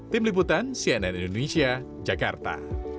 tim liputan cnn indonesia jakarta